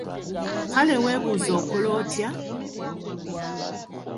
Kale weebuuze okola otya?